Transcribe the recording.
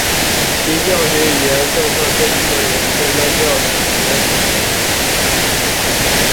其教学语言政策并不会设有分班教学。